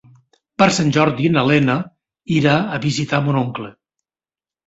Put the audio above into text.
Per Sant Jordi na Lena irà a visitar mon oncle.